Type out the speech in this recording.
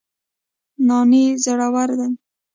نانی زړور دی